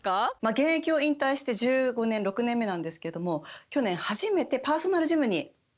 現役を引退して１５年６年目なんですけども去年初めてパーソナルジムに通いました。